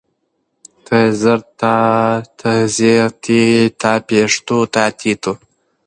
ت زر تا، ت زېر تي، ت پېښ تو، تا تي تو